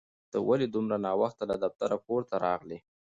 ته ولې دومره ناوخته له دفتره کور ته راغلې؟